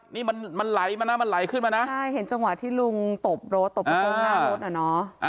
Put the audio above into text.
นี่มันมันไหลมานะมันไหลขึ้นมานะใช่เห็นจังหวะที่ลุงตบรถตบกระโปรงหน้ารถอ่ะเนอะ